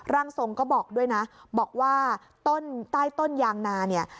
ร่างทรงก็บอกด้วยนะบอกว่าต้นใต้ต้นยางนาเนี่ย